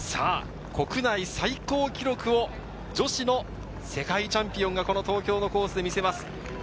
国内最高記録を女子の世界チャンピオンがこの東京のコースで見せます。